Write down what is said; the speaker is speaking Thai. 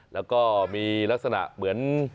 แล้วก็มีลักษณะเหมือน